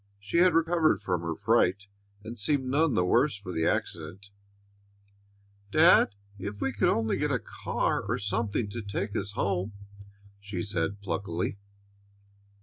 She had recovered from her fright, and seemed none the worse for the accident. "Dad, if we could only get a car or something to take us home," she said pluckily.